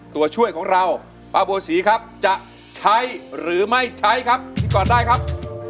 ตัวช่วยของเราป้าบัวศรีครับจะใช้หรือไม่ใช้ครับพี่กอดได้ครับ